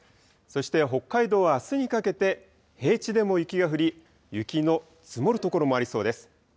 そして北海道はあすにかけて、平地でも雪が降り、雪の積もる所もありそうです。